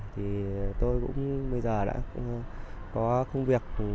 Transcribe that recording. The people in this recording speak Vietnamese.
thì tôi cũng bây giờ đã có công việc